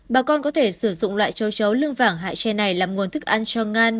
bà con có thể sử dụng loại châu chấu lương vàng hại che này làm nguồn thức ăn cho ngan